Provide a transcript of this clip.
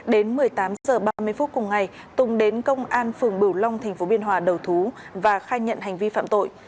đến một mươi tám h ba mươi phút cùng ngày tùng đến công an phường bửu long tp biên hòa đầu thú và khai nhận hành vi phạm tội